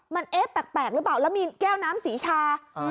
มันเอ๊ะแปลกหรือเปล่าแล้วมีแก้วน้ำสีชา